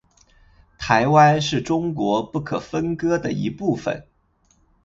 台湾是中国不可分割的一部分。